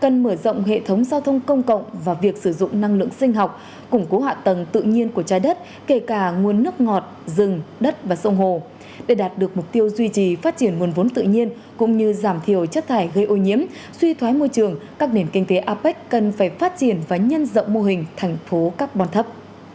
các nền kinh tế apec cần phải phát triển và nhân dậu mô hình thành phố các bọn thấp